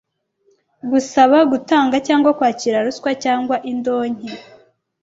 Gusaba, gutanga cyangwa kwakira ruswa cyangwa indonke;